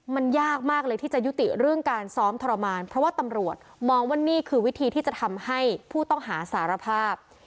มันยากมากเลยที่จะยุติเรื่องการซ้อมทรมานเพราะว่าตำรวจมองว่านี่คือวิธีที่จะทำให้ผู้ต้องหาสารภาพ